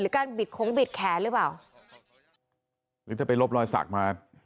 หรือการบิดโค้งบิดแขนรึเปล่าหรือจะไปรบรอยสักมา